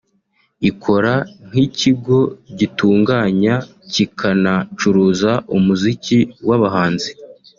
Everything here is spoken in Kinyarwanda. Ikora nk’ikigo gitunganya kikanacuruza umuziki w’abahanzi